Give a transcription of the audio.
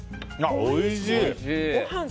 おいしい。